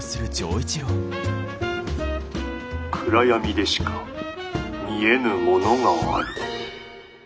「暗闇でしか見えぬものがある。